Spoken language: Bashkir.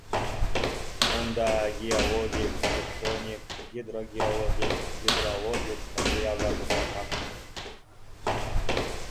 - Унда геологик, тектоник, гидрогеологик, гидрологик материалдар тупланған.